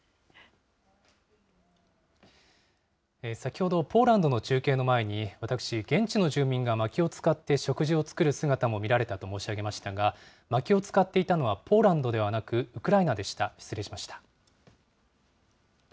先ほど、ポーランドの中継の前に、私、現地の住民がまきを使って食事を作る姿も見られたと申し上げましたが、まきを使っていたのはポーランドではなく、ウクライナでした。